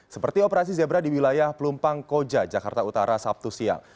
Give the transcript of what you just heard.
seperti operasi zebra di wilayah pelumpang koja jakarta utara sabtu siang